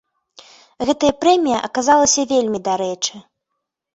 Гэтая прэмія аказалася вельмі дарэчы.